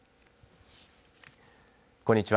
こんにちは。